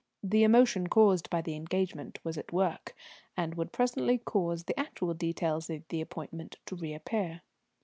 The emotion caused by the engagement was at work, and would presently cause the actual details of the appointment to reappear.